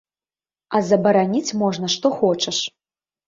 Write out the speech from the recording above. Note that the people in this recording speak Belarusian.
А забараніць можна што хочаш.